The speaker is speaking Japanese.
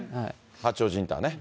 八王子インターね。